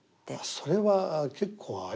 それは結構ありますね。